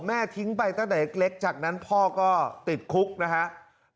ทิ้งไปตั้งแต่เล็กจากนั้นพ่อก็ติดคุกนะครับ